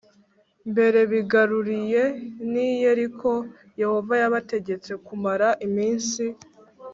Mbere bigaruriye ni yeriko yehova yabategetse kumara iminsi